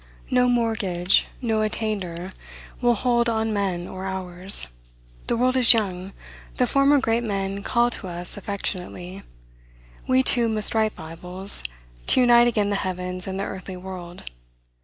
No mortgage, no attainder, will hold on men or hours. The world is young; the former great men call to us affectionately. We too must write Bibles, to unite again the heavens and the earthly world.